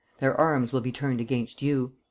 Their arms will be turned against you."